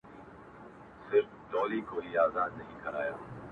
• تش کوهي ته په اوبو پسي لوېدلی ,